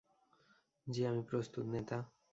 জ্বি, আমি প্রস্তুত, নেতা!